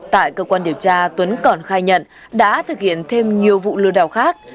tại cơ quan điều tra tuấn còn khai nhận đã thực hiện thêm nhiều vụ lừa đảo khác